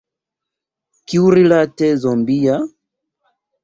Kiurilate zombia?